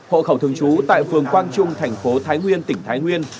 hộ khẩu thường trú tại phường quang trung thành phố thái nguyên tỉnh thái nguyên